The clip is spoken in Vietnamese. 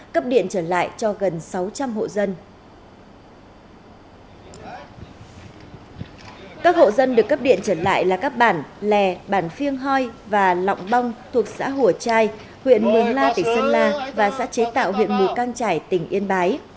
các hộ dân được cấp điện trở lại là các bản lè bản phiêng hoi và lọng băng thuộc xã hùa trai huyện mường la tỉnh sơn la và xã chế tạo huyện mù căng trải tỉnh yên bái